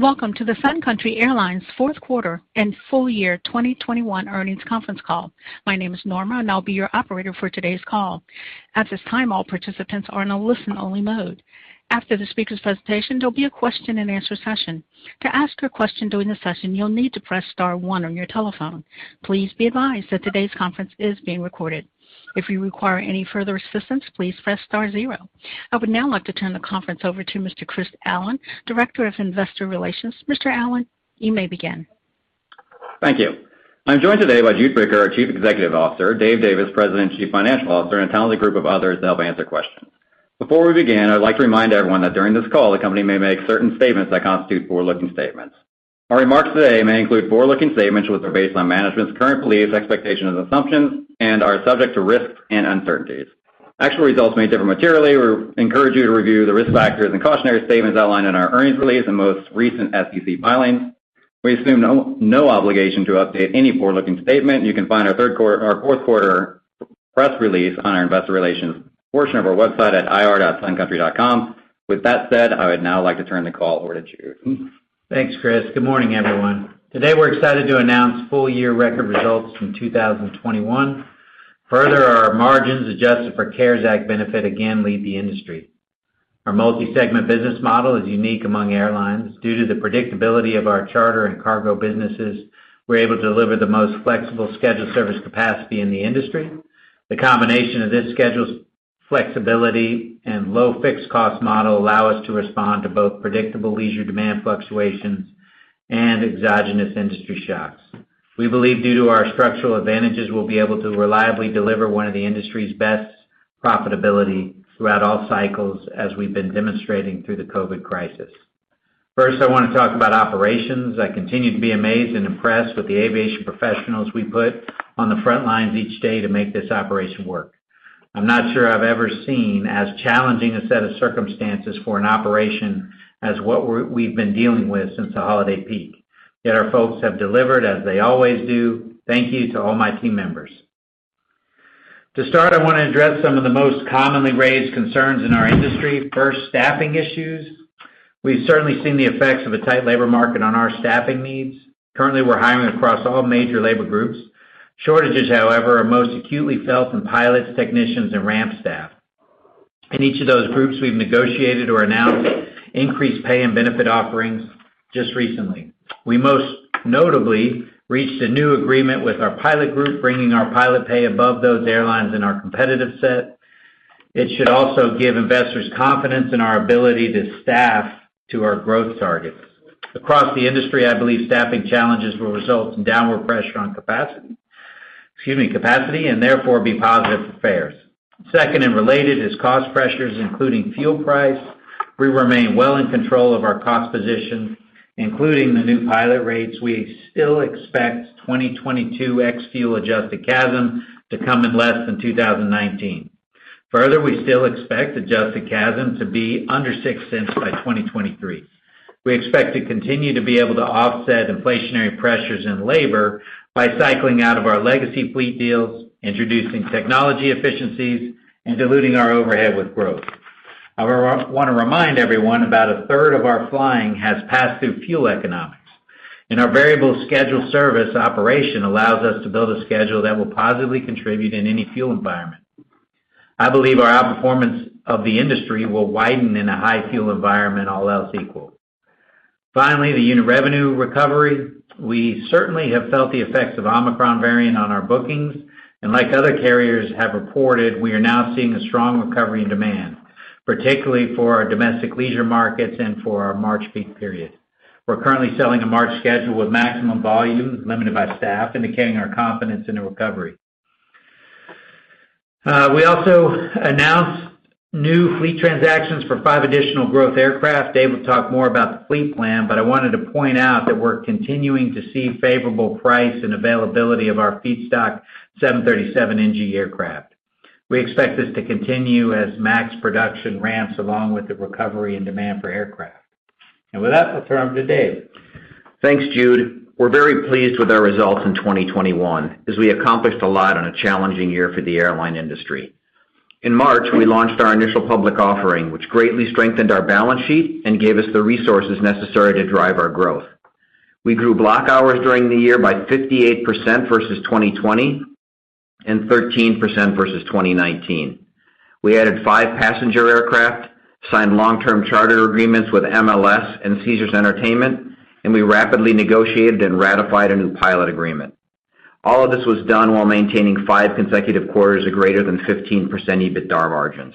Welcome to the Sun Country Airlines fourth quarter and full year 2021 earnings conference call. My name is Norma, and I'll be your operator for today's call. At this time, all participants are in a listen-only mode. After the speaker's presentation, there'll be a question-and-answer session. To ask a question during the session, you'll need to press star one on your telephone. Please be advised that today's conference is being recorded. If you require any further assistance, please press star zero. I would now like to turn the conference over to Mr. Chris Allen, Director of Investor Relations. Mr. Allen, you may begin. Thank you. I'm joined today by Jude Bricker, our Chief Executive Officer, Dave Davis, President and Chief Financial Officer, and a talented group of others that'll answer questions. Before we begin, I'd like to remind everyone that during this call, the company may make certain statements that constitute forward-looking statements. Our remarks today may include forward-looking statements which are based on management's current beliefs, expectations, and assumptions and are subject to risks and uncertainties. Actual results may differ materially. We encourage you to review the risk factors and cautionary statements outlined in our earnings release and most recent SEC filings. We assume no obligation to update any forward-looking statement. You can find our third quarter or fourth quarter press release on our investor relations portion of our website at ir.suncountry.com. With that said, I would now like to turn the call over to Jude. Thanks, Chris. Good morning, everyone. Today, we're excited to announce full-year record results from 2021. Further, our margins adjusted for CARES Act benefit again lead the industry. Our multi-segment business model is unique among airlines. Due to the predictability of our charter and cargo businesses, we're able to deliver the most flexible scheduled service capacity in the industry. The combination of this schedule's flexibility and low fixed cost model allow us to respond to both predictable leisure demand fluctuations and exogenous industry shocks. We believe due to our structural advantages, we'll be able to reliably deliver one of the industry's best profitability throughout all cycles as we've been demonstrating through the COVID crisis. First, I wanna talk about operations. I continue to be amazed and impressed with the aviation professionals we put on the front lines each day to make this operation work. I'm not sure I've ever seen as challenging a set of circumstances for an operation as what we've been dealing with since the holiday peak, yet our folks have delivered as they always do. Thank you to all my team members. To start, I wanna address some of the most commonly raised concerns in our industry. First, staffing issues. We've certainly seen the effects of a tight labor market on our staffing needs. Currently, we're hiring across all major labor groups. Shortages, however, are most acutely felt in pilots, technicians, and ramp staff. In each of those groups, we've negotiated or announced increased pay and benefit offerings just recently. We most notably reached a new agreement with our pilot group, bringing our pilot pay above those airlines in our competitive set. It should also give investors confidence in our ability to staff to our growth targets. Across the industry, I believe staffing challenges will result in downward pressure on capacity and therefore be positive for fares. Second and related is cost pressures, including fuel price. We remain well in control of our cost position, including the new pilot rates. We still expect 2022 ex-fuel adjusted CASM to come in less than 2019. Further, we still expect adjusted CASM to be under $0.06 by 2023. We expect to continue to be able to offset inflationary pressures in labor by cycling out of our legacy fleet deals, introducing technology efficiencies, and diluting our overhead with growth. I want to remind everyone about a third of our flying has pass-through fuel economics, and our variable schedule service operation allows us to build a schedule that will positively contribute in any fuel environment. I believe our outperformance of the industry will widen in a high fuel environment, all else equal. Finally, the unit revenue recovery. We certainly have felt the effects of Omicron variant on our bookings, and like other carriers have reported, we are now seeing a strong recovery in demand, particularly for our domestic leisure markets and for our March peak period. We're currently selling a March schedule with maximum volume limited by staff, indicating our confidence in a recovery. We also announced new fleet transactions for 5 additional growth aircraft. Dave will talk more about the fleet plan, but I wanted to point out that we're continuing to see favorable price and availability of our feedstock 737 NG aircraft. We expect this to continue as MAX production ramps along with the recovery and demand for aircraft. With that, I'll turn over to Dave. Thanks, Jude. We're very pleased with our results in 2021, as we accomplished a lot on a challenging year for the airline industry. In March, we launched our initial public offering, which greatly strengthened our balance sheet and gave us the resources necessary to drive our growth. We grew block hours during the year by 58% versus 2020 and 13% versus 2019. We added 5 passenger aircraft, signed long-term charter agreements with MLS and Caesars Entertainment, and we rapidly negotiated and ratified a new pilot agreement. All of this was done while maintaining 5 consecutive quarters of greater than 15% EBITDA margins.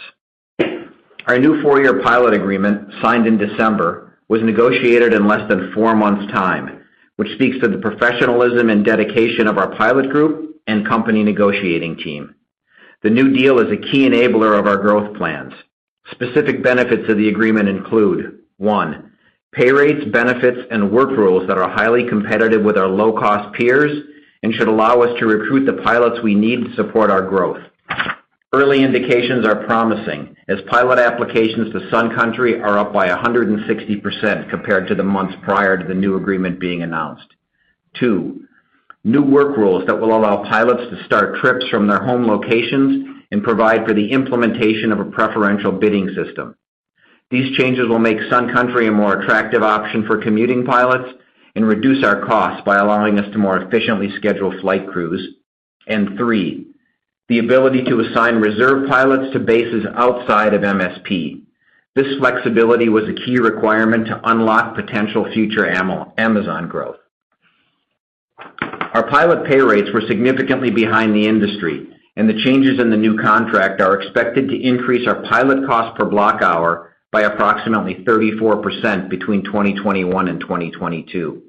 Our new 4-year pilot agreement, signed in December, was negotiated in less than 4 months' time, which speaks to the professionalism and dedication of our pilot group and company negotiating team. The new deal is a key enabler of our growth plans. Specific benefits of the agreement include, one, pay rates, benefits, and work rules that are highly competitive with our low-cost peers and should allow us to recruit the pilots we need to support our growth. Early indications are promising as pilot applications to Sun Country are up by 160% compared to the months prior to the new agreement being announced. Two, new work rules that will allow pilots to start trips from their home locations and provide for the implementation of a preferential bidding system. These changes will make Sun Country a more attractive option for commuting pilots and reduce our costs by allowing us to more efficiently schedule flight crews. Three, the ability to assign reserve pilots to bases outside of MSP. This flexibility was a key requirement to unlock potential future Amazon growth. Our pilot pay rates were significantly behind the industry, and the changes in the new contract are expected to increase our pilot cost per block hour by approximately 34% between 2021 and 2022.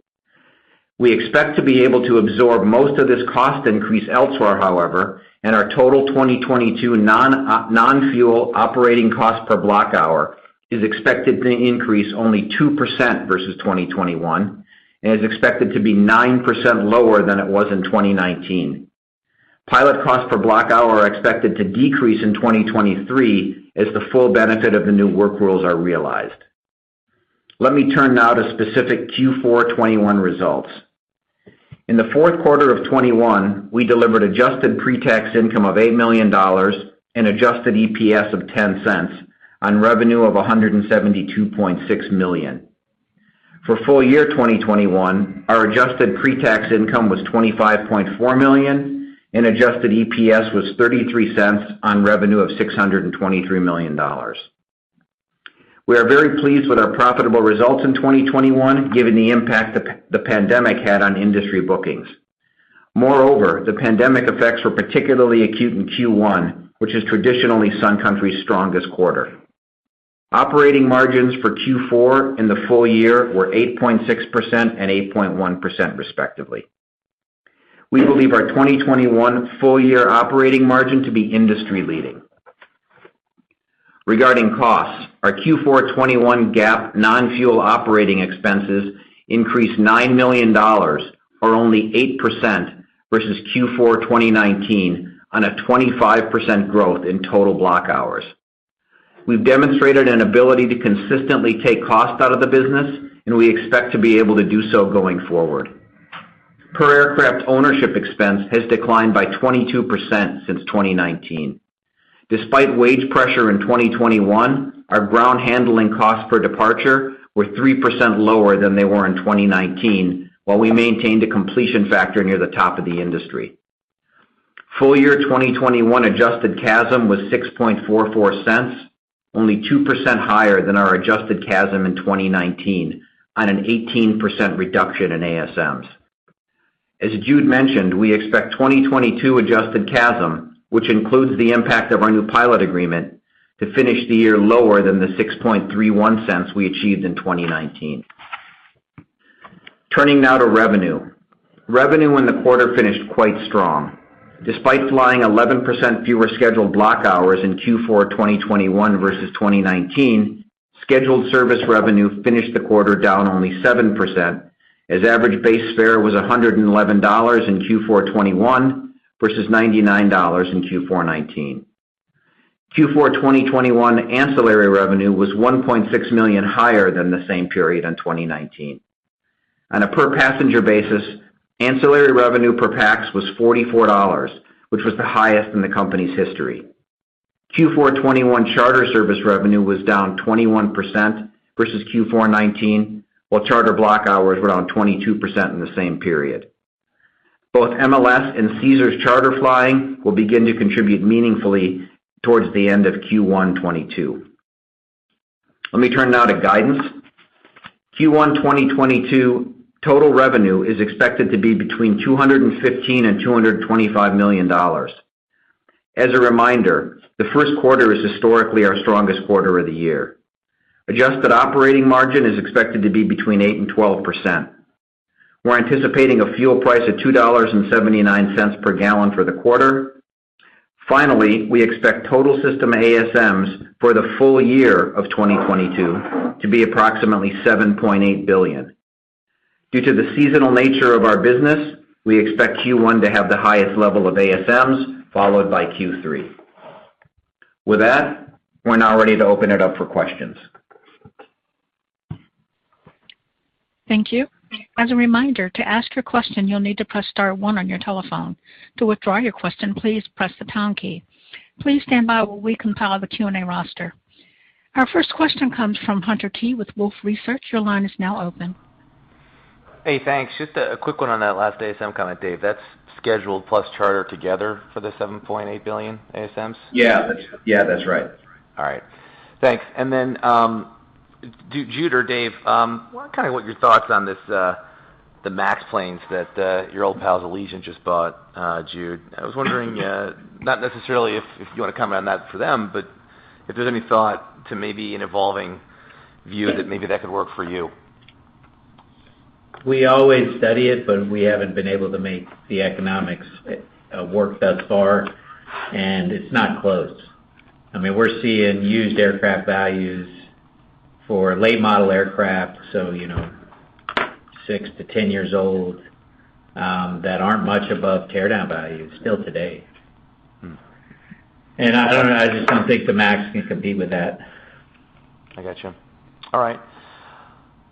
We expect to be able to absorb most of this cost increase elsewhere, however, and our total 2022 non-fuel operating cost per block hour is expected to increase only 2% versus 2021 and is expected to be 9% lower than it was in 2019. Pilot costs per block hour are expected to decrease in 2023 as the full benefit of the new work rules are realized. Let me turn now to specific Q4 2021 results. In the fourth quarter of 2021, we delivered adjusted pre-tax income of $8 million and adjusted EPS of $0.10 on revenue of $172.6 million. For full year 2021, our adjusted pre-tax income was $25.4 million, and adjusted EPS was $0.33 on revenue of $623 million. We are very pleased with our profitable results in 2021, given the impact the pandemic had on industry bookings. Moreover, the pandemic effects were particularly acute in Q1, which is traditionally Sun Country's strongest quarter. Operating margins for Q4 in the full year were 8.6% and 8.1%, respectively. We believe our 2021 full year operating margin to be industry-leading. Regarding costs, our Q4 2021 GAAP non-fuel operating expenses increased $9 million, or only 8% versus Q4 2019 on a 25% growth in total block hours. We've demonstrated an ability to consistently take cost out of the business, and we expect to be able to do so going forward per aircraft ownership expense has declined by 22% since 2019. Despite wage pressure in 2021, our ground handling costs per departure were 3% lower than they were in 2019, while we maintained a completion factor near the top of the industry. Full year 2021 adjusted CASM was $0.0644, only 2% higher than our adjusted CASM in 2019 on an 18% reduction in ASMs. As Jude mentioned, we expect 2022 adjusted CASM, which includes the impact of our new pilot agreement, to finish the year lower than the $0.0631 we achieved in 2019. Turning now to revenue. Revenue in the quarter finished quite strong. Despite flying 11% fewer scheduled block hours in Q4 2021 versus 2019, scheduled service revenue finished the quarter down only 7%, as average base fare was $111 in Q4 2021 versus $99 in Q4 2019. Q4 2021 ancillary revenue was $1.6 million higher than the same period in 2019. On a per passenger basis, ancillary revenue per pax was $44, which was the highest in the company's history. Q4 2021 charter service revenue was down 21% versus Q4 2019, while charter block hours were down 22% in the same period. Both MLS and Caesars charter flying will begin to contribute meaningfully towards the end of Q1 2022. Let me turn now to guidance. Q1 2022 total revenue is expected to be between $215 million and $225 million. As a reminder, the first quarter is historically our strongest quarter of the year. Adjusted operating margin is expected to be between 8%-12%. We're anticipating a fuel price of $2.79 per gallon for the quarter. Finally, we expect total system ASMs for the full year of 2022 to be approximately 7.8 billion. Due to the seasonal nature of our business, we expect Q1 to have the highest level of ASMs, followed by Q3. With that, we're now ready to open it up for questions. Thank you. As a reminder, to ask your question, you'll need to press star one on your telephone. To withdraw your question, please press the pound key. Please stand by while we compile the Q&A roster. Our first question comes from Hunter Keay with Wolfe Research. Your line is now open. Hey, thanks. Just a quick one on that last ASM comment, Dave. That's scheduled plus charter together for the 7.8 billion ASMs? Yeah, that's right. All right. Thanks. Jude or Dave, I wonder kinda what your thoughts on this, the MAX planes that your old pals Allegiant just bought, Jude. I was wondering, not necessarily if you wanna comment on that for them, but if there's any thought to maybe an evolving view that maybe that could work for you. We always study it, but we haven't been able to make the economics work thus far, and it's not close. I mean, we're seeing used aircraft values for late model aircraft, so, you know, 6-10 years old, that aren't much above tear down value still today. I don't know, I just don't think the MAX can compete with that. I got you. All right.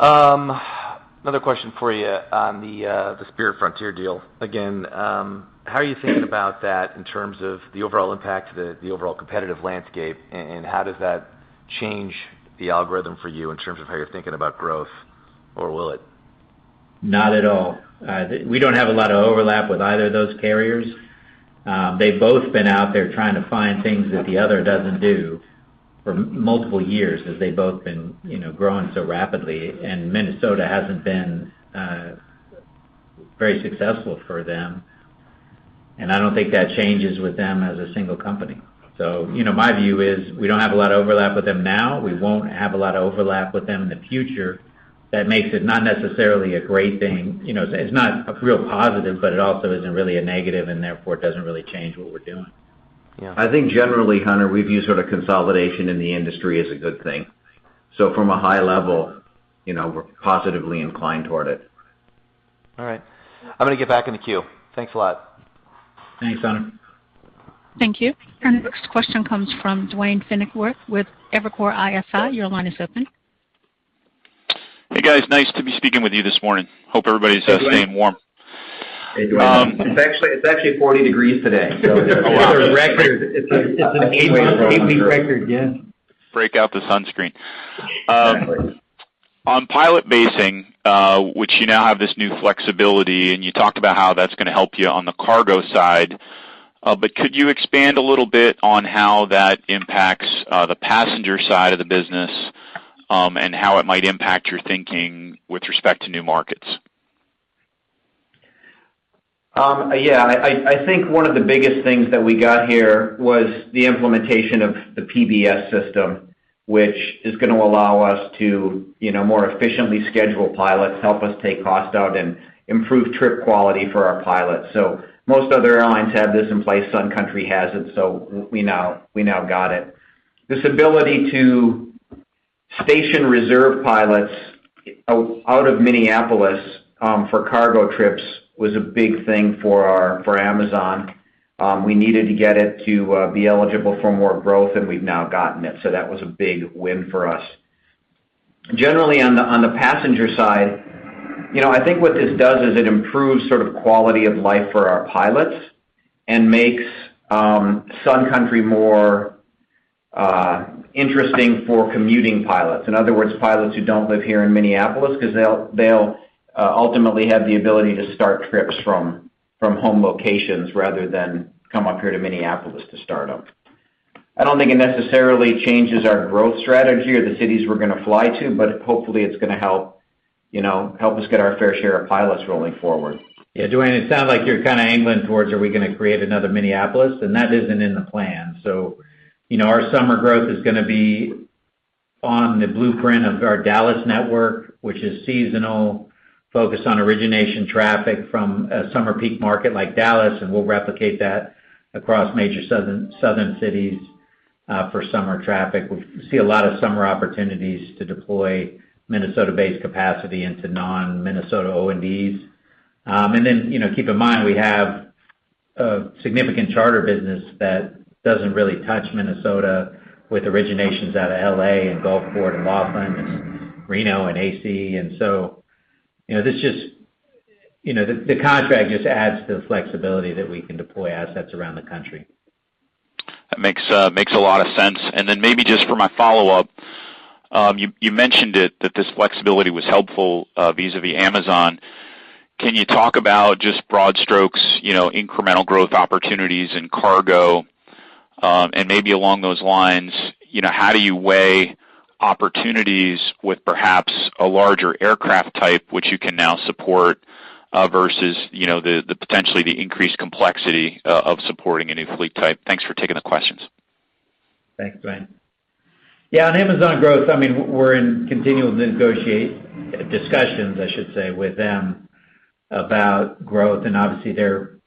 Another question for you on the Spirit Frontier deal. Again, how are you thinking about that in terms of the overall impact to the overall competitive landscape? How does that change the algorithm for you in terms of how you're thinking about growth, or will it? Not at all. We don't have a lot of overlap with either of those carriers. They've both been out there trying to find things that the other doesn't do for multiple years as they've both been, you know, growing so rapidly. Minnesota hasn't been very successful for them, and I don't think that changes with them as a single company. You know, my view is we don't have a lot of overlap with them now. We won't have a lot of overlap with them in the future. That makes it not necessarily a great thing. You know, it's not a real positive, but it also isn't really a negative, and therefore doesn't really change what we're doing. Yeah. I think generally, Hunter, we view sort of consolidation in the industry as a good thing. From a high level, you know, we're positively inclined toward it. All right. I'm gonna get back in the queue. Thanks a lot. Thanks, Hunter. Thank you. Our next question comes from Duane Pfennigwerth with Evercore ISI. Your line is open. Hey, guys. Nice to be speaking with you this morning. Hope everybody's staying warm. Hey, Duane. It's actually 40 degrees today. It's a record. It's an April, AP record, yeah. Break out the sunscreen. On pilot basing, which you now have this new flexibility, and you talked about how that's gonna help you on the cargo side. Could you expand a little bit on how that impacts the passenger side of the business, and how it might impact your thinking with respect to new markets? I think one of the biggest things that we got here was the implementation of the PBS system, which is gonna allow us to, you know, more efficiently schedule pilots, help us take cost out, and improve trip quality for our pilots. Most other airlines have this in place. Sun Country has it, so we now got it. This ability to station reserve pilots out of Minneapolis for cargo trips was a big thing for Amazon. We needed to get it to be eligible for more growth, and we've now gotten it. That was a big win for us. Generally, on the passenger side, you know, I think what this does is it improves sort of quality of life for our pilots and makes Sun Country more interesting for commuting pilots. In other words, pilots who don't live here in Minneapolis, 'cause they'll ultimately have the ability to start trips from home locations rather than come up here to Minneapolis to start them. I don't think it necessarily changes our growth strategy or the cities we're gonna fly to, but hopefully, it's gonna help, you know, help us get our fair share of pilots rolling forward. Yeah. Duane, it sounds like you're kinda angling towards are we gonna create another Minneapolis, and that isn't in the plan. You know, our summer growth is gonna be on the blueprint of our Dallas network, which is seasonal, focused on origination traffic from a summer peak market like Dallas, and we'll replicate that across major Southern cities for summer traffic. We see a lot of summer opportunities to deploy Minnesota-based capacity into non-Minnesota O&Ds. Keep in mind, we have a significant charter business that doesn't really touch Minnesota with originations out of L.A. and Gulfport and Laughlin and Reno and A.C. You know, the contract just adds to the flexibility that we can deploy assets around the country. That makes a lot of sense. Then maybe just for my follow-up, you mentioned it, that this flexibility was helpful vis-à-vis Amazon. Can you talk about just broad strokes, you know, incremental growth opportunities in cargo? Maybe along those lines, you know, how do you weigh opportunities with perhaps a larger aircraft type, which you can now support versus the potentially increased complexity of supporting a new fleet type? Thanks for taking the questions. Thanks, Duane. Yeah, on Amazon growth, I mean, we're in continual discussions, I should say, with them about growth. Obviously, their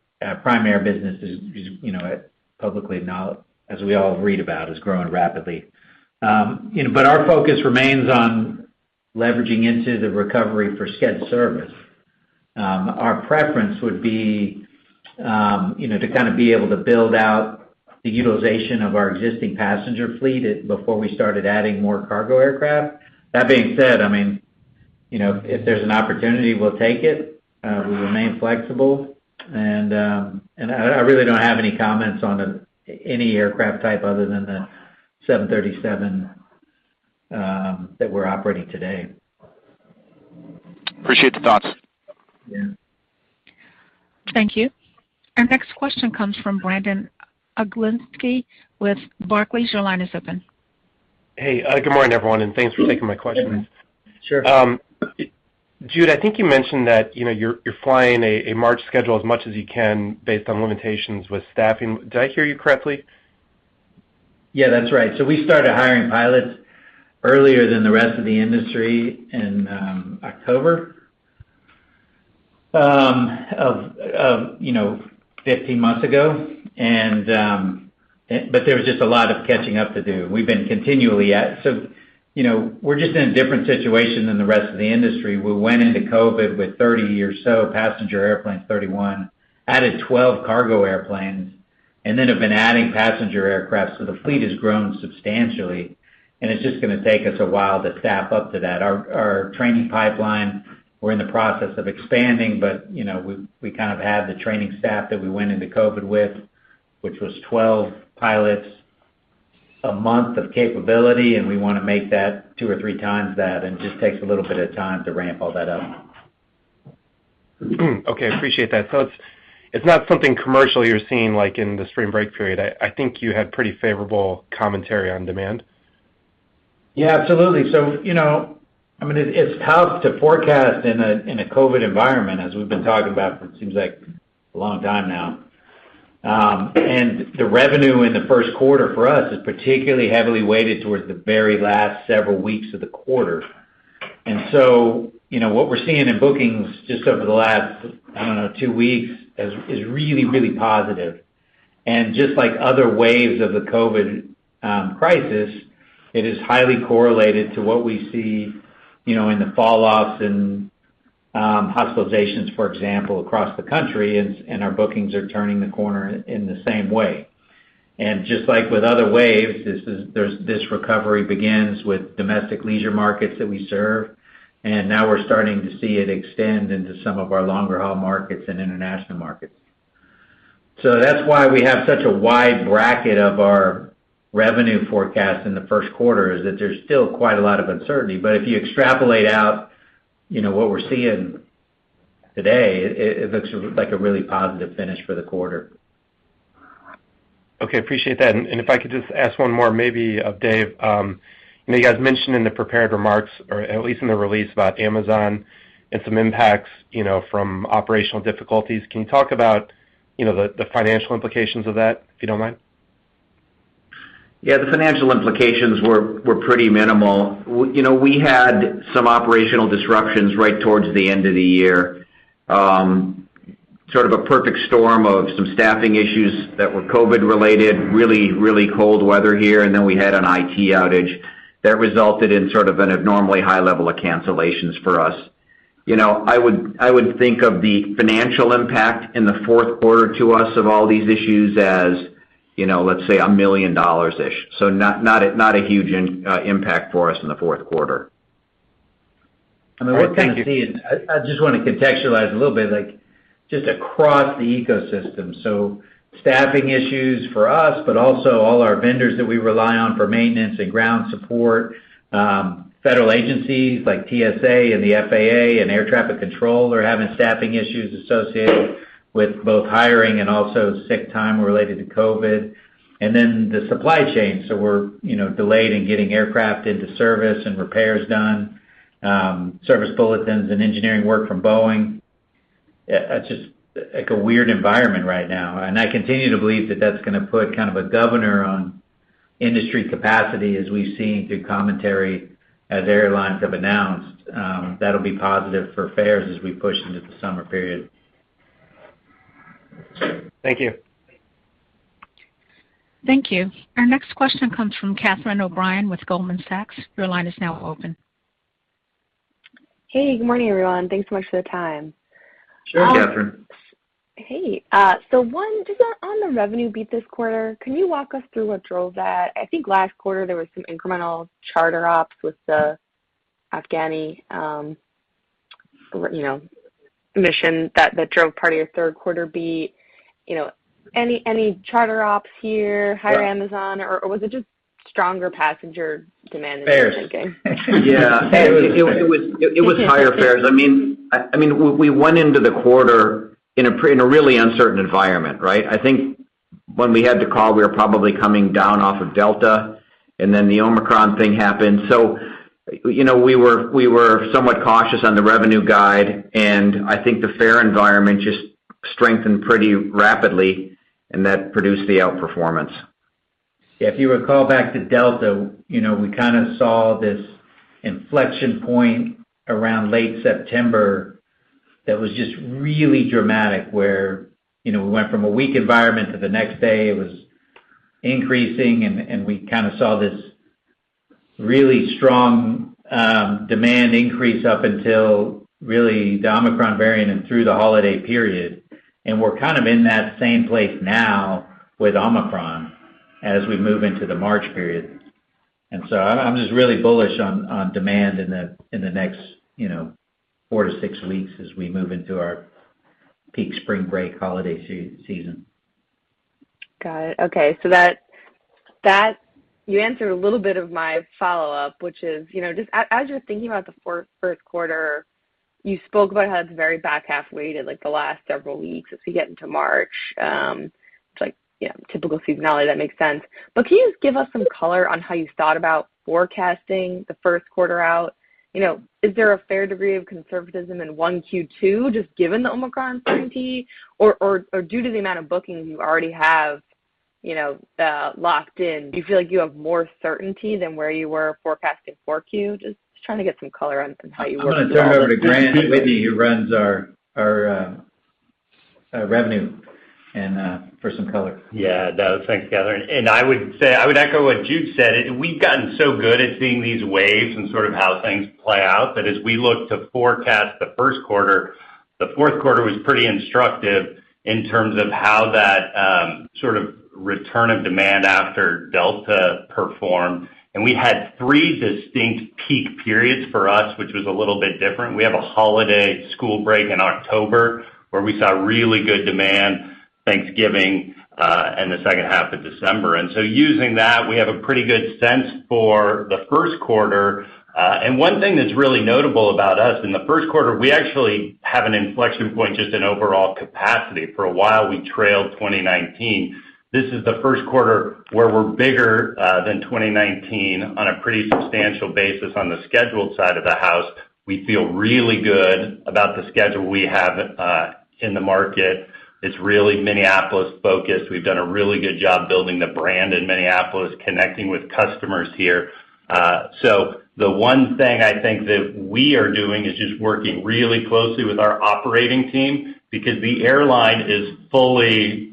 primary business is, you know, publicly now, as we all read about, is growing rapidly. You know, but our focus remains on leveraging into the recovery for sched service. Our preference would be, you know, to kind of be able to build out the utilization of our existing passenger fleet before we started adding more cargo aircraft. That being said, I mean, you know, if there's an opportunity, we'll take it. We remain flexible. I really don't have any comments on any aircraft type other than the 737 that we're operating today. Appreciate the thoughts. Yeah. Thank you. Our next question comes from Brandon Oglenski with Barclays. Your line is open. Hey, good morning, everyone, and thanks for taking my questions. Sure. Jude, I think you mentioned that, you know, you're flying a March schedule as much as you can based on limitations with staffing. Did I hear you correctly? Yeah, that's right. We started hiring pilots earlier than the rest of the industry in October of, you know, 15 months ago. But there was just a lot of catching up to do. We've been continually, you know, we're just in a different situation than the rest of the industry. We went into COVID with 30 or so passenger airplanes, 31, added 12 cargo airplanes, then have been adding passenger aircraft. The fleet has grown substantially, and it's just gonna take us a while to staff up to that. Our training pipeline, we're in the process of expanding, but you know, we kind of have the training staff that we went into COVID with, which was 12 pilots a month of capability, and we wanna make that two or three times that, and it just takes a little bit of time to ramp all that up. Okay, appreciate that. It's not something commercially you're seeing like in the spring break period. I think you had pretty favorable commentary on demand. Yeah, absolutely. I mean, it's tough to forecast in a COVID environment, as we've been talking about for what seems like a long time now. The revenue in the first quarter for us is particularly heavily weighted towards the very last several weeks of the quarter. You know, what we're seeing in bookings just over the last, I don't know, two weeks is really, really positive. Just like other waves of the COVID crisis, it is highly correlated to what we see, you know, in the falloffs and hospitalizations, for example, across the country, and our bookings are turning the corner in the same way. Just like with other waves, this recovery begins with domestic leisure markets that we serve, and now we're starting to see it extend into some of our longer haul markets and international markets. That's why we have such a wide bracket of our revenue forecast in the first quarter is that there's still quite a lot of uncertainty. If you extrapolate out, you know, what we're seeing today, it looks like a really positive finish for the quarter. Okay. Appreciate that. If I could just ask one more maybe of Dave. I know you guys mentioned in the prepared remarks, or at least in the release about Amazon and some impacts, you know, from operational difficulties. Can you talk about, you know, the financial implications of that, if you don't mind? Yeah. The financial implications were pretty minimal. You know, we had some operational disruptions right towards the end of the year. Sort of a perfect storm of some staffing issues that were COVID related, really cold weather here, and then we had an IT outage that resulted in sort of an abnormally high level of cancellations for us. You know, I would think of the financial impact in the fourth quarter to us of all these issues as, you know, let's say $1 million-ish. Not a huge impact for us in the fourth quarter. All right. Thank you. I mean, what you're gonna see is I just wanna contextualize a little bit, like, just across the ecosystem. Staffing issues for us, but also all our vendors that we rely on for maintenance and ground support, federal agencies like TSA and the FAA and air traffic control are having staffing issues associated with both hiring and also sick time related to COVID. Then the supply chain, you know, we're delayed in getting aircraft into service and repairs done, service bulletins and engineering work from Boeing. It's just like a weird environment right now. I continue to believe that that's gonna put kind of a governor on industry capacity as we've seen through commentary as airlines have announced. That'll be positive for fares as we push into the summer period. Thank you. Thank you. Our next question comes from Catherine O'Brien with Goldman Sachs. Your line is now open. Hey, good morning, everyone. Thanks so much for the time. Sure, Catherine. Hey. So one, just on the revenue beat this quarter, can you walk us through what drove that? I think last quarter, there was some incremental charter ops with the Afghani mission that drove part of your third quarter beat. Any charter ops here, higher Amazon, or was it just stronger passenger demand that you're seeing? Fares. Yeah. It was higher fares. I mean, we went into the quarter in a really uncertain environment, right? I think when we had the call, we were probably coming down off of Delta, and then the Omicron thing happened. You know, we were somewhat cautious on the revenue guide, and I think the fare environment just strengthened pretty rapidly, and that produced the outperformance. Yeah. If you recall back to Delta, you know, we kind of saw this inflection point around late September that was just really dramatic, where, you know, we went from a weak environment to the next day it was increasing and we kind of saw this really strong demand increase up until really the Omicron variant and through the holiday period. We're kind of in that same place now with Omicron as we move into the March period. I'm just really bullish on demand in the next, you know, 4-6 weeks as we move into our peak spring break holiday season. Got it. Okay. You answered a little bit of my follow-up, which is, you know, just as you're thinking about the first quarter, you spoke about how it's very back half weighted, like the last several weeks as we get into March. It's like, yeah, typical seasonality that makes sense. But can you just give us some color on how you thought about forecasting the first quarter out? You know, is there a fair degree of conservatism in Q1 just given the Omicron certainty? Or due to the amount of bookings you already have, you know, locked in, do you feel like you have more certainty than where you were forecasting 4Q? Just trying to get some color on how you work through all this. I'm gonna turn it over to Grant Whitney, who runs our revenue and for some color. Yeah, no, thanks, Catherine. I would echo what Jude said. We've gotten so good at seeing these waves and sort of how things play out, that as we look to forecast the first quarter, the fourth quarter was pretty instructive in terms of how that sort of return of demand after Delta performed. We had three distinct peak periods for us, which was a little bit different. We have a holiday school break in October, where we saw really good demand, Thanksgiving, and the second half of December. Using that, we have a pretty good sense for the first quarter. One thing that's really notable about us, in the first quarter, we actually have an inflection point just in overall capacity. For a while, we trailed 2019. This is the first quarter where we're bigger than 2019 on a pretty substantial basis on the scheduled side of the house. We feel really good about the schedule we have in the market. It's really Minneapolis-focused. We've done a really good job building the brand in Minneapolis, connecting with customers here. The one thing I think that we are doing is just working really closely with our operating team because the airline is fully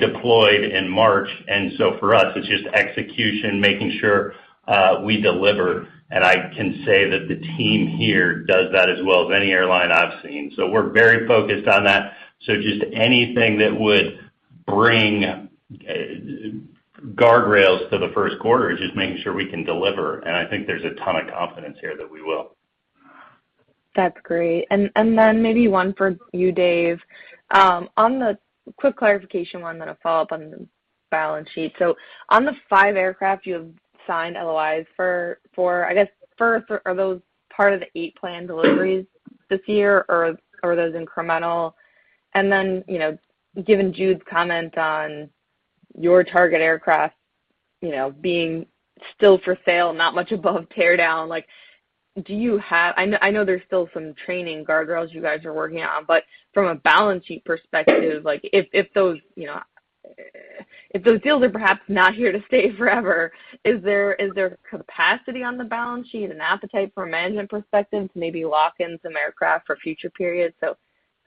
deployed in March. For us, it's just execution, making sure we deliver. I can say that the team here does that as well as any airline I've seen. We're very focused on that. Just anything that would bring guardrails to the first quarter is just making sure we can deliver. I think there's a ton of confidence here that we will. That's great. Then maybe one for you, Dave. On the quick clarification one, then a follow-up on the balance sheet. On the 5 aircraft you have signed LOIs for, I guess, first, are those part of the 8 planned deliveries this year, or are those incremental? Then, you know, given Jude's comment on your target aircraft, you know, being still for sale, not much above tear down, like, do you have? I know there's still some training guardrails you guys are working on, but from a balance sheet perspective, like, if those if those deals are perhaps not here to stay forever, is there capacity on the balance sheet, an appetite from a management perspective to maybe lock in some aircraft for future periods?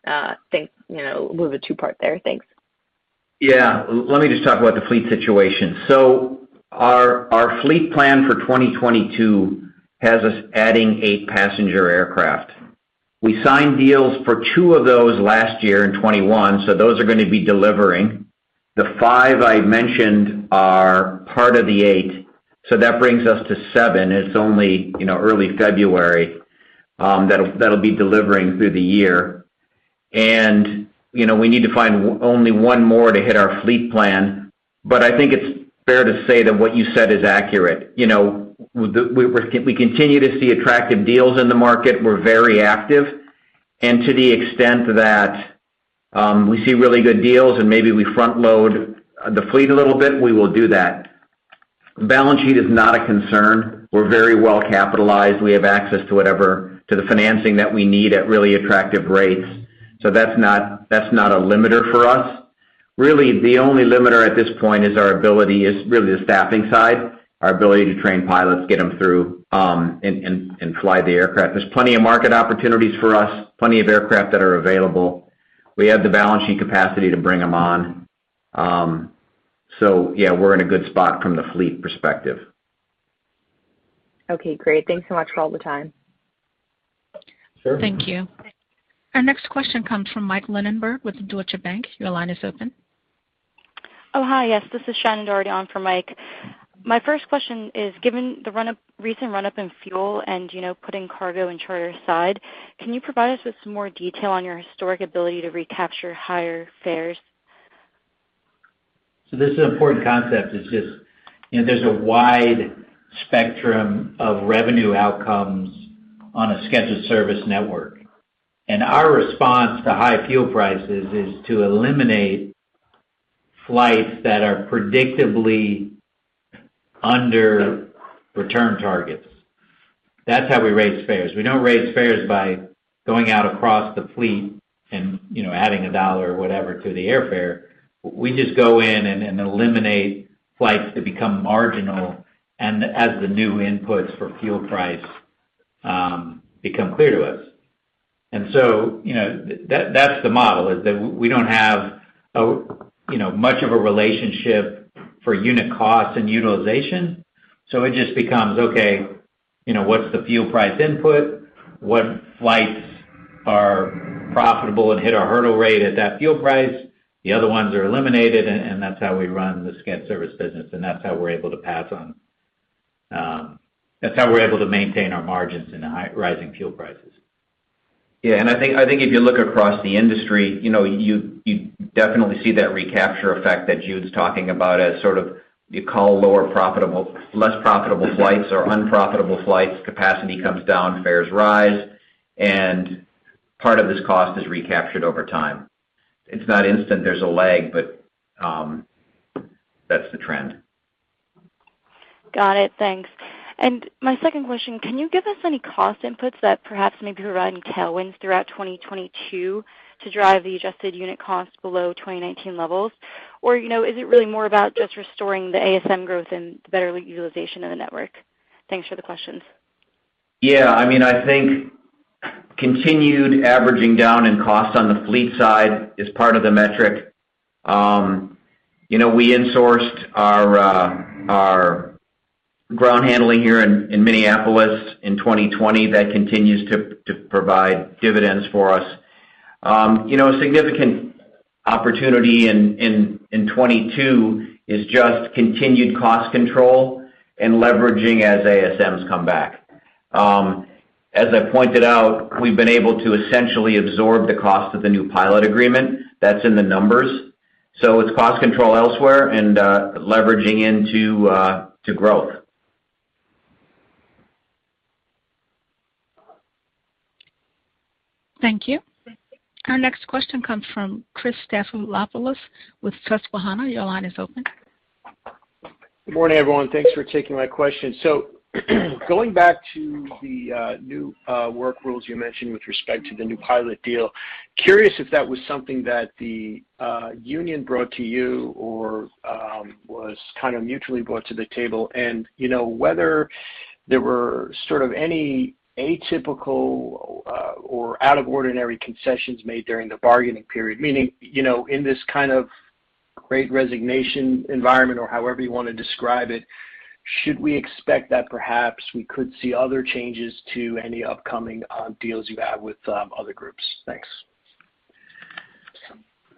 I think, you know, a little bit two-part there. Thanks. Yeah. Let me just talk about the fleet situation. Our fleet plan for 2022 has us adding 8 passenger aircraft. We signed deals for 2 of those last year in 2021, so those are gonna be delivering. The 5 I mentioned are part of the 8, so that brings us to 7. It's only, you know, early February, that'll be delivering through the year. You know, we need to find only 1 more to hit our fleet plan. But I think it's fair to say that what you said is accurate. You know, we continue to see attractive deals in the market. We're very active. To the extent that we see really good deals and maybe we front load the fleet a little bit, we will do that. Balance sheet is not a concern. We're very well capitalized. We have access to whatever, to the financing that we need at really attractive rates. That's not a limiter for us. Really, the only limiter at this point is really the staffing side, our ability to train pilots, get them through, and fly the aircraft. There's plenty of market opportunities for us, plenty of aircraft that are available. We have the balance sheet capacity to bring them on. Yeah, we're in a good spot from the fleet perspective. Okay, great. Thanks so much for all the time. Sure. Thank you. Our next question comes from Michael Linenberg with Deutsche Bank. Your line is open. Oh, hi. Yes, this is Shannon Doherty on for Mike. My first question is, given the recent run up in fuel and, you know, putting cargo and charter aside, can you provide us with some more detail on your historic ability to recapture higher fares? This is an important concept. It's just, you know, there's a wide spectrum of revenue outcomes on a scheduled service network. Our response to high fuel prices is to eliminate flights that are predictably under return targets. That's how we raise fares. We don't raise fares by going out across the fleet and, you know, adding a dollar or whatever to the airfare. We just go in and eliminate flights that become marginal as the new inputs for fuel price become clear to us. You know, that's the model, is that we don't have a, you know, much of a relationship for unit cost and utilization. It just becomes, okay, you know, what's the fuel price input? What flights are profitable and hit our hurdle rate at that fuel price? The other ones are eliminated, and that's how we run the scheduled service business, and that's how we're able to pass on. That's how we're able to maintain our margins in the high rising fuel prices. Yeah. I think if you look across the industry, you know, you definitely see that recapture effect that Jude's talking about as sort of less profitable flights or unprofitable flights. Capacity comes down, fares rise, and part of this cost is recaptured over time. It's not instant. There's a lag, but that's the trend. Got it. Thanks. My second question, can you give us any cost inputs that perhaps may be providing tailwinds throughout 2022 to drive the adjusted unit cost below 2019 levels? Or, you know, is it really more about just restoring the ASM growth and better utilization of the network? Thanks for the questions. Yeah, I mean, I think continued averaging down in cost on the fleet side is part of the metric. You know, we insourced our ground handling here in Minneapolis in 2020. That continues to provide dividends for us. You know, a significant opportunity in 2022 is just continued cost control and leveraging as ASMs come back. As I pointed out, we've been able to essentially absorb the cost of the new pilot agreement that's in the numbers. It's cost control elsewhere and leveraging into to growth. Thank you. Our next question comes from Christopher Stathoulopoulos with Susquehanna. Your line is open. Good morning, everyone. Thanks for taking my question. Going back to the new work rules you mentioned with respect to the new pilot deal, curious if that was something that the union brought to you or was kind of mutually brought to the table and, you know, whether there were sort of any atypical or out of ordinary concessions made during the bargaining period, meaning, you know, in this kind of Great Resignation environment or however you wanna describe it, should we expect that perhaps we could see other changes to any upcoming deals you have with other groups? Thanks.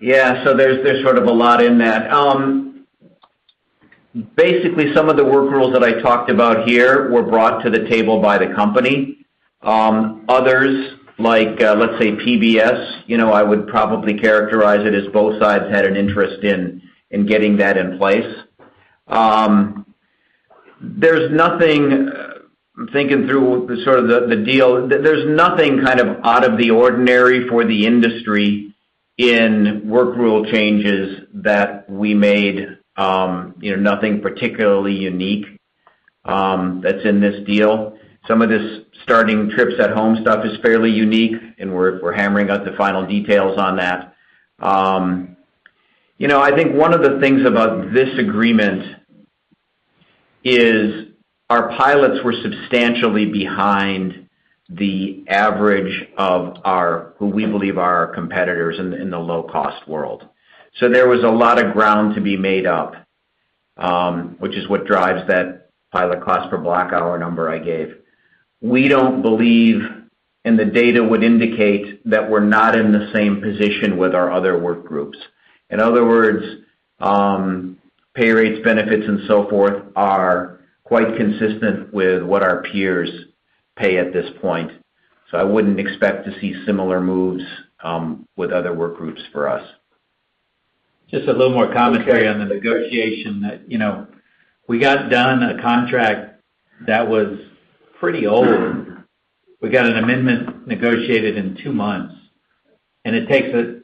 Yeah. There's sort of a lot in that. Basically, some of the work rules that I talked about here were brought to the table by the company. Others, like, let's say PBS, you know, I would probably characterize it as both sides had an interest in getting that in place. There's nothing. I'm thinking through sort of the deal. There's nothing kind of out of the ordinary for the industry in work rule changes that we made, you know, nothing particularly unique, that's in this deal. Some of this starting trips at home stuff is fairly unique, and we're hammering out the final details on that. You know, I think one of the things about this agreement is our pilots were substantially behind the average of our competitors in the low-cost world. So there was a lot of ground to be made up, which is what drives that pilot cost per block hour number I gave. We don't believe, and the data would indicate that we're not in the same position with our other work groups. In other words, pay rates, benefits, and so forth are quite consistent with what our peers pay at this point. So I wouldn't expect to see similar moves with other work groups for us. Just a little more commentary on the negotiation that, you know, we got done a contract that was pretty old. We got an amendment negotiated in two months, and it takes a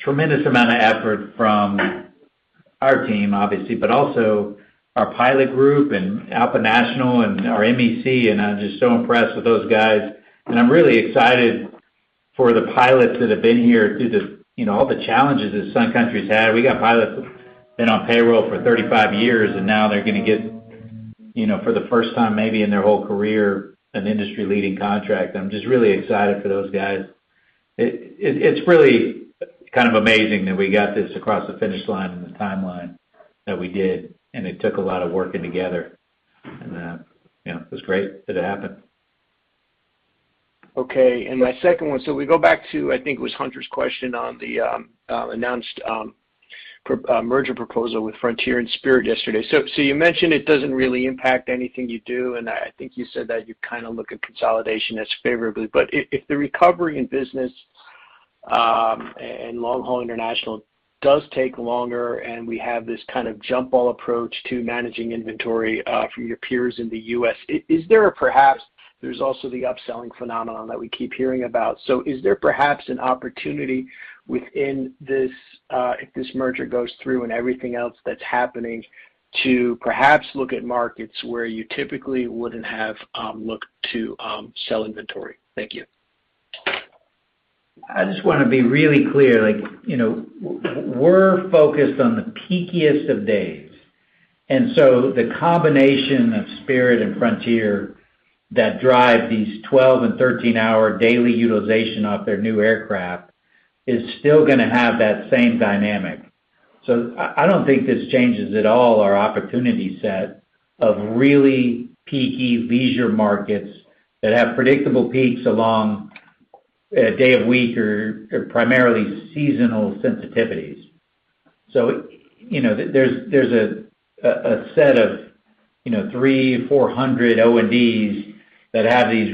tremendous amount of effort from our team, obviously, but also our pilot group and ALPA National and our MEC, and I'm just so impressed with those guys. I'm really excited for the pilots that have been here through the, you know, all the challenges that Sun Country's had. We got pilots been on payroll for 35 years, and now they're gonna get, you know, for the first time maybe in their whole career, an industry-leading contract. I'm just really excited for those guys. It's really kind of amazing that we got this across the finish line in the timeline that we did, and it took a lot of working together. You know, it was great that it happened. Okay. My second one, we go back to, I think it was Hunter's question on the announced merger proposal with Frontier and Spirit yesterday. You mentioned it doesn't really impact anything you do, and I think you said that you kind of look at consolidation favorably. If the recovery in business and long-haul international does take longer and we have this kind of jump ball approach to managing inventory from your peers in the U.S., is there perhaps an opportunity within this, if this merger goes through and everything else that's happening, to look at markets where you typically wouldn't have looked to sell inventory? Thank you. I just wanna be really clear, like, you know, we're focused on the peakiest of days. The combination of Spirit and Frontier that drive these 12- and 13-hour daily utilization off their new aircraft is still gonna have that same dynamic. I don't think this changes at all our opportunity set of really peaky leisure markets that have predictable peaks along a day of week or primarily seasonal sensitivities. You know, there's a set of, you know, 300-400 O&Ds that have these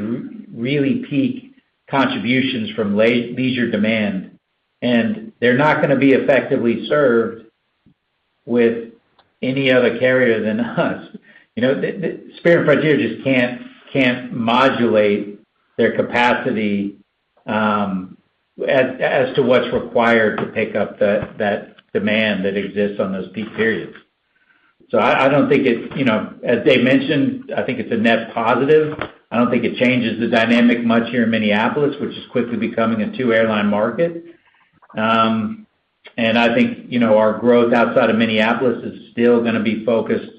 really peak contributions from leisure demand, and they're not gonna be effectively served with any other carrier than us. You know, Spirit and Frontier just can't modulate their capacity as to what's required to pick up that demand that exists on those peak periods. I don't think it's, you know, as Dave mentioned, I think it's a net positive. I don't think it changes the dynamic much here in Minneapolis, which is quickly becoming a two-airline market. I think, you know, our growth outside of Minneapolis is still gonna be focused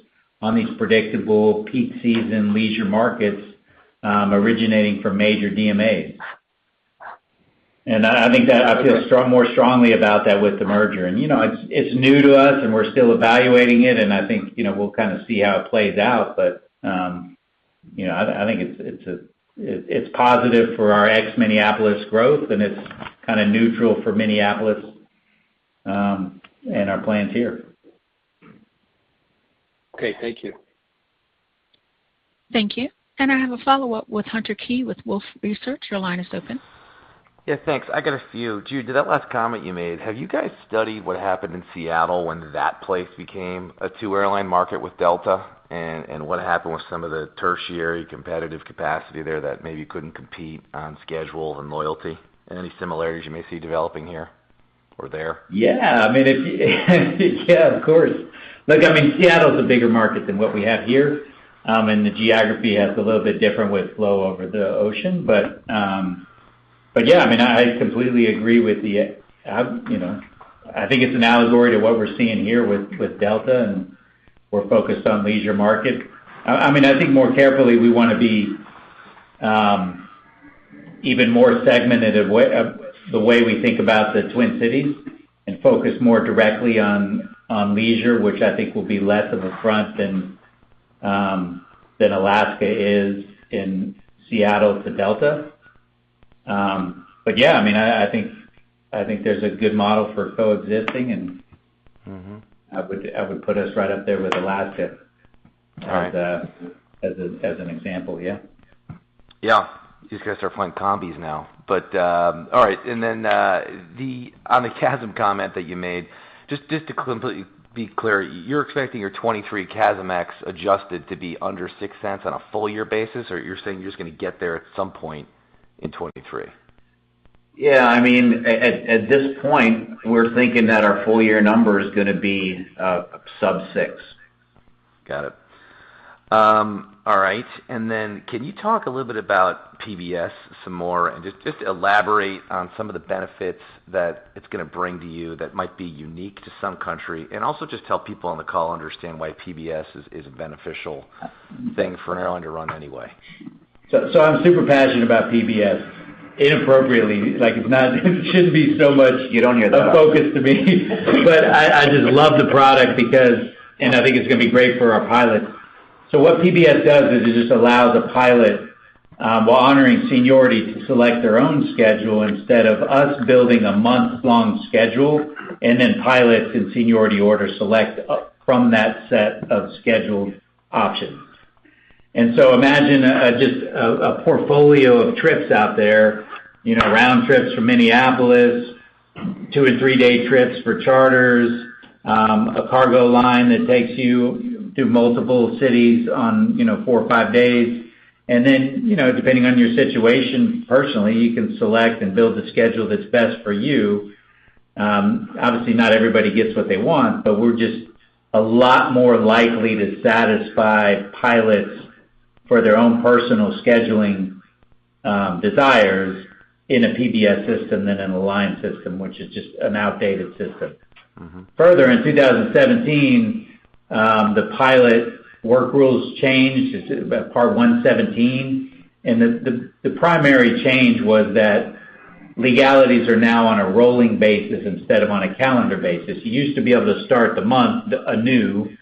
on these predictable peak season leisure markets, originating from major DMAs. I think that I feel more strongly about that with the merger. You know, it's new to us, and we're still evaluating it, and I think, you know, we'll kind of see how it plays out. I think it's positive for our ex-Minneapolis growth, and it's kinda neutral for Minneapolis, and our plans here. Okay. Thank you. Thank you. I have a follow-up with Hunter Keay with Wolfe Research. Your line is open. Yeah, thanks. I got a few. Jude, to that last comment you made, have you guys studied what happened in Seattle when that place became a two-airline market with Delta, and what happened with some of the tertiary competitive capacity there that maybe couldn't compete on schedule and loyalty? Any similarities you may see developing here or there? Yeah. I mean, yeah, of course. Look, I mean, Seattle's a bigger market than what we have here, and the geography is a little bit different with flow over the ocean. Yeah, I completely agree with you know. I think it's an analogy to what we're seeing here with Delta, and we're focused on leisure market. I mean, I think more carefully, we wanna be even more segmented in the way we think about the Twin Cities and focus more directly on leisure, which I think will be less of a threat than Alaska is in Seattle to Delta. Yeah, I mean, I think there's a good model for coexisting, and I would put us right up there with Alaska. All right. As an example, yeah. Yeah. These guys are flying combis now. All right. On the CASM comment that you made, just to completely be clear, you're expecting your 2023 CASM ex adjusted to be under $0.06 on a full year basis? Or you're saying you're just gonna get there at some point in 2023? Yeah. I mean, at this point, we're thinking that our full year number is gonna be sub six. Got it. All right. Can you talk a little bit about PBS some more and just elaborate on some of the benefits that it's gonna bring to you that might be unique to Sun Country? Also just help people on the call understand why PBS is a beneficial thing for an airline to run anyway. I'm super passionate about PBS inappropriately. Like, it's not, it shouldn't be so much. You don't hear that often. a focus to me. I just love the product because and I think it's gonna be great for our pilots. What PBS does is it just allows a pilot, while honoring seniority, to select their own schedule instead of us building a month-long schedule, and then pilots in seniority order select from that set of scheduled options. Imagine just a portfolio of trips out there, you know, round trips for Minneapolis, two and three-day trips for charters, a cargo line that takes you to multiple cities on, you know, four or five days. Then, you know, depending on your situation personally, you can select and build a schedule that's best for you. Obviously, not everybody gets what they want, but we're just a lot more likely to satisfy pilots for their own personal scheduling desires in a PBS system than in a line system, which is just an outdated system. Further, in 2017, the pilot work rules changed. It's Part 117. The primary change was that legalities are now on a rolling basis instead of on a calendar basis. You used to be able to start the month anew,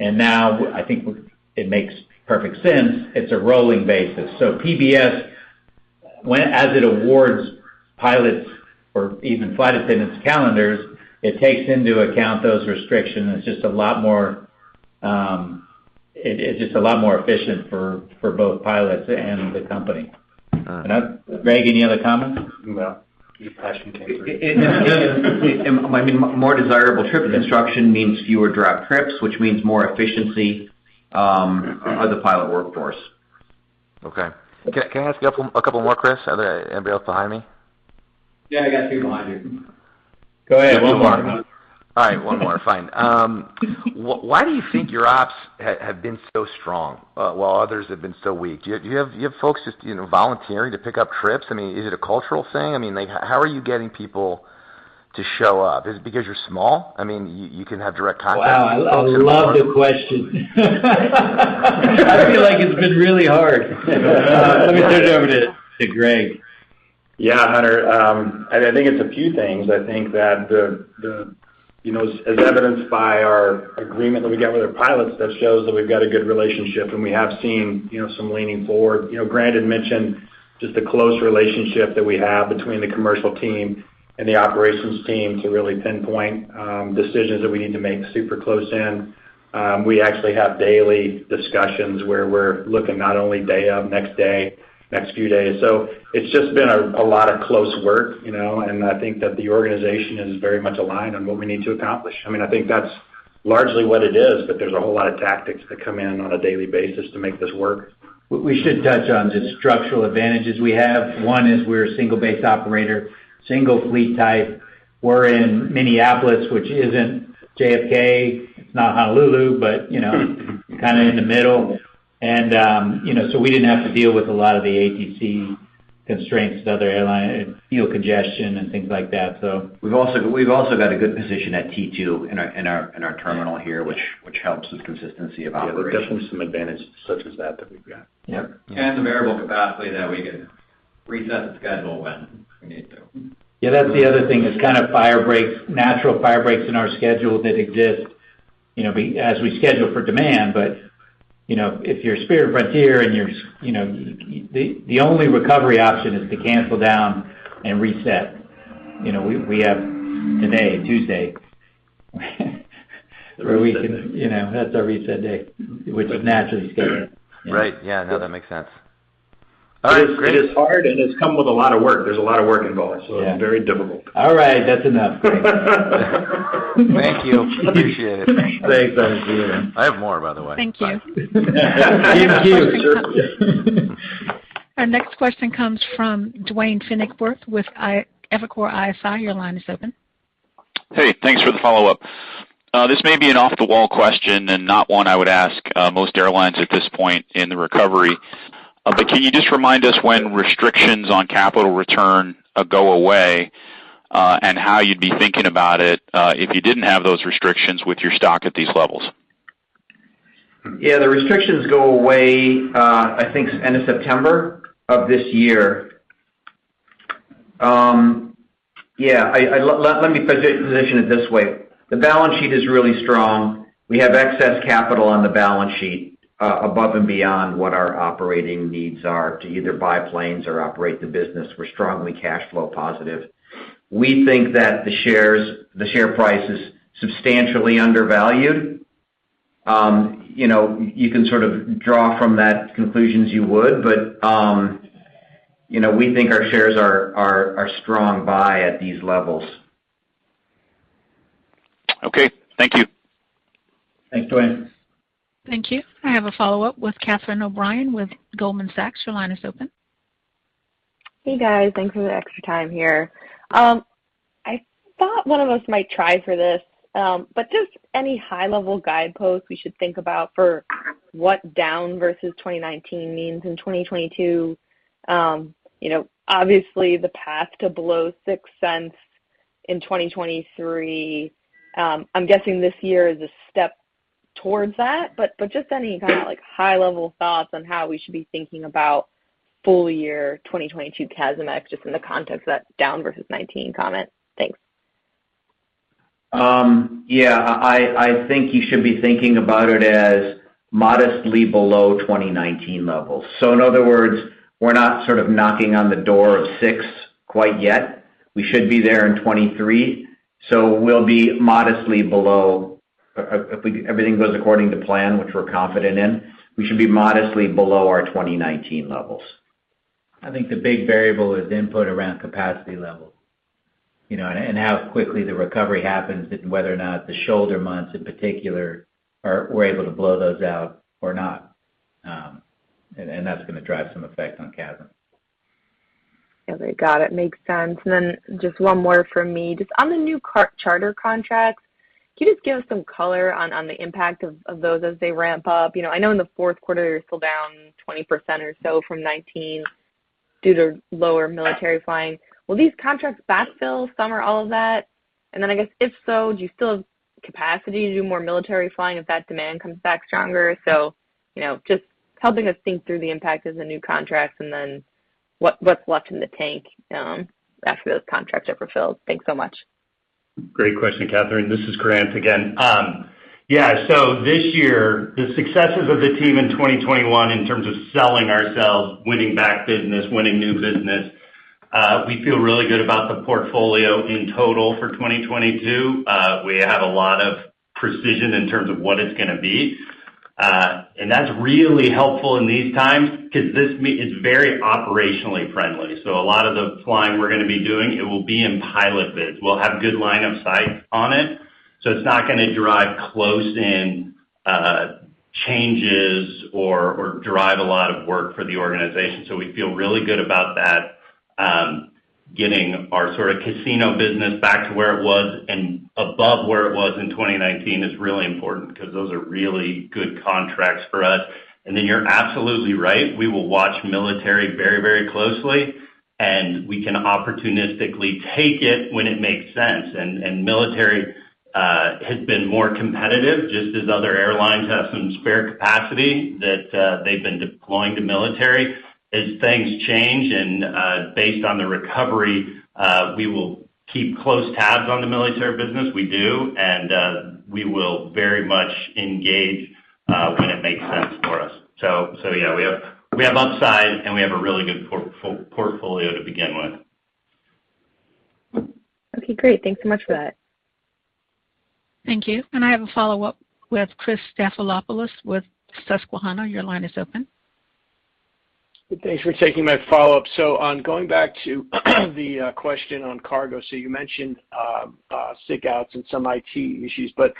and now I think it makes perfect sense. It's a rolling basis. So PBS, as it awards pilots or even flight attendants' calendars, it takes into account those restrictions, and it's just a lot more efficient for both pilots and the company. All right. Greg, any other comments? No. Your passion takes it. I mean, more desirable trip construction means fewer dropped trips, which means more efficiency of the pilot workforce. Okay. Can I ask a couple more, Chris? Are there anybody else behind me? Yeah. I got two behind you. Go ahead. One more. All right. One more. Fine. Why do you think your ops have been so strong while others have been so weak? Do you have folks just, you know, volunteering to pick up trips? I mean, is it a cultural thing? I mean, like how are you getting people to show up? Is it because you're small? I mean, you can have direct contact with folks at the door. Wow. I love the question. I feel like it's been really hard. Let me turn it over to Greg. Yeah, Hunter. I think it's a few things. I think that the you know, as evidenced by our agreement that we get with our pilots, that shows that we've got a good relationship, and we have seen you know, some leaning forward. You know, Brad had mentioned just the close relationship that we have between the commercial team and the operations team to really pinpoint decisions that we need to make super close in. We actually have daily discussions where we're looking not only day of, next day, next few days. It's just been a lot of close work you know, and I think that the organization is very much aligned on what we need to accomplish. I mean, I think that's largely what it is, but there's a whole lot of tactics that come in on a daily basis to make this work. We should touch on the structural advantages we have. One is we're a single-based operator, single fleet type. We're in Minneapolis, which isn't JFK. It's not Honolulu, but, you know, kinda in the middle. you know, so we didn't have to deal with a lot of the ATC Constraints to other airlines, fuel congestion and things like that, so. We've also got a good position at T2 in our terminal here, which helps with consistency of operation. Yeah. There's definitely some advantage such as that we've got. Yep. The variable capacity that we could reset the schedule when we need to. Yeah, that's the other thing is kind of fire breaks, natural fire breaks in our schedule that exist, you know, but as we schedule for demand. You know, if you're Spirit or Frontier and you're, you know, the only recovery option is to cancel down and reset. You know, we have today, Tuesday, where we can, you know, that's our reset day, which is naturally scheduled. Right. Yeah. No, that makes sense. All right. Great. It is hard, and it's come with a lot of work. There's a lot of work involved. Yeah. Very difficult. All right. That's enough. Great. Thank you. Appreciate it. Thanks. Thank you. I have more, by the way. Thank you. Thank you. Our next question comes from Duane Pfennigwerth with Evercore ISI. Your line is open. Hey, thanks for the follow-up. This may be an off-the-wall question and not one I would ask most airlines at this point in the recovery. Can you just remind us when restrictions on capital return go away, and how you'd be thinking about it if you didn't have those restrictions with your stock at these levels? Yeah. The restrictions go away, I think end of September of this year. Yeah, let me position it this way. The balance sheet is really strong. We have excess capital on the balance sheet, above and beyond what our operating needs are to either buy planes or operate the business. We're strongly cash flow positive. We think that the shares, the share price is substantially undervalued. You know, you can sort of draw from that conclusions you would, but, you know, we think our shares are strong buy at these levels. Okay. Thank you. Thanks, Duane. Thank you. I have a follow-up with Catherine O'Brien with Goldman Sachs. Your line is open. Hey, guys. Thanks for the extra time here. I thought one of us might try for this, but just any high-level guideposts we should think about for what down versus 2019 means in 2022. You know, obviously the path to below $0.06 in 2023, I'm guessing this year is a step towards that, but just any kind of, like, high-level thoughts on how we should be thinking about full year 2022 CASM ex just in the context of that down versus 2019 comment. Thanks. Yeah. I think you should be thinking about it as modestly below 2019 levels. In other words, we're not sort of knocking on the door of six quite yet. We should be there in 2023. We'll be modestly below if everything goes according to plan, which we're confident in. We should be modestly below our 2019 levels. I think the big variable is input around capacity level, you know, and how quickly the recovery happens and whether or not the shoulder months in particular are, we're able to blow those out or not. That's gonna drive some effect on CASM. Okay. Got it. Makes sense. Just one more from me. Just on the new charter contracts, can you just give us some color on the impact of those as they ramp up? You know, I know in the fourth quarter you're still down 20% or so from 2019 due to lower military flying. Will these contracts backfill some or all of that? I guess, if so, do you still have capacity to do more military flying if that demand comes back stronger? You know, just helping us think through the impact of the new contracts and then what's left in the tank after those contracts are fulfilled. Thanks so much. Great question, Catherine. This is Grant again. This year, the successes of the team in 2021 in terms of selling ourselves, winning back business, winning new business, we feel really good about the portfolio in total for 2022. We have a lot of precision in terms of what it's gonna be. And that's really helpful in these times 'cause it's very operationally friendly. A lot of the flying we're gonna be doing, it will be in pilot bids. We'll have good line of sight on it, so it's not gonna drive closed-in changes or drive a lot of work for the organization. We feel really good about that. Getting our sort of casino business back to where it was and above where it was in 2019 is really important, because those are really good contracts for us. You're absolutely right. We will watch military very, very closely, and we can opportunistically take it when it makes sense. Military has been more competitive, just as other airlines have some spare capacity that they've been deploying to military. As things change and based on the recovery, we will keep close tabs on the military business. We do. We will very much engage when it makes sense for us. Yeah, we have upside, and we have a really good portfolio to begin with. Okay. Great. Thanks so much for that. Thank you. I have a follow-up with Christopher Stathoulopoulos with Susquehanna. Your line is open. Thanks for taking my follow-up. Going back to the question on cargo, you mentioned sick outs and some IT issues, but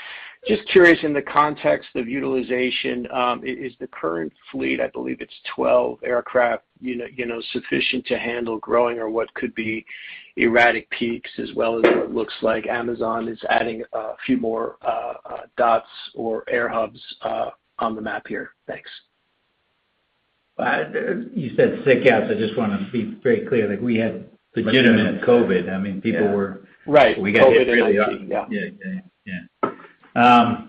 just curious in the context of utilization, is the current fleet, I believe it's 12 aircraft, you know, sufficient to handle growing or what could be erratic peaks as well as what looks like Amazon is adding a few more dots or air hubs on the map here? Thanks. You said sick outs. I just wanna be very clear, like we had legitimate COVID. I mean, people were- Right. COVID and IT. We got hit really hard. Yeah. Yeah.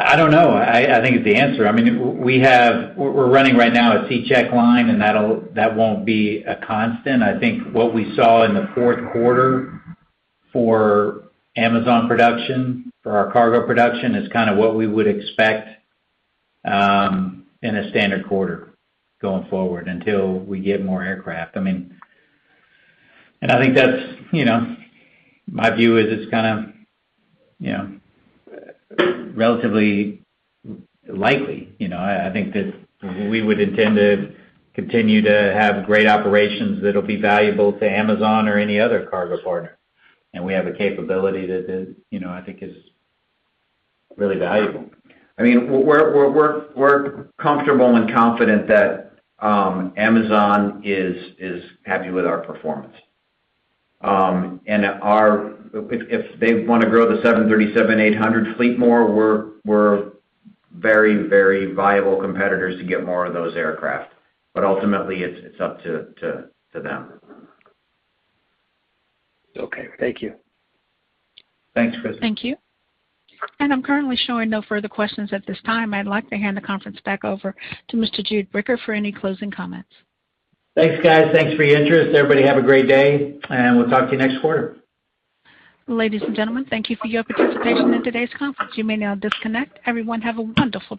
I don't know. I think is the answer. I mean, we're running right now a C-check line, and that won't be a constant. I think what we saw in the fourth quarter for Amazon production, for our cargo production is kind of what we would expect in a standard quarter going forward until we get more aircraft. I mean. I think that's, you know, my view is it's kinda, you know, relatively likely, you know. I think that we would intend to continue to have great operations that'll be valuable to Amazon or any other cargo partner. We have a capability that is, you know, I think is really valuable. I mean, we're comfortable and confident that Amazon is happy with our performance, and our. If they wanna grow the 737-800 fleet more, we're very viable competitors to get more of those aircraft. Ultimately, it's up to them. Okay. Thank you. Thanks, Chris. Thank you. I'm currently showing no further questions at this time. I'd like to hand the conference back over to Mr. Jude Bricker for any closing comments. Thanks, guys. Thanks for your interest. Everybody have a great day, and we'll talk to you next quarter. Ladies and gentlemen, thank you for your participation in today's conference. You may now disconnect. Everyone, have a wonderful day.